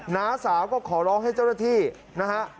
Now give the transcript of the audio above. น้าสาวก็ขอร้องให้เจ้าหน้าที่นะฮะ